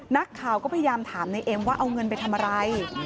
นักข่าวก็พยายามถามในเอ็มว่าเอาเงินไปทำอะไร